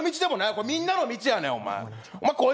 これ、みんなの道やねん、おい。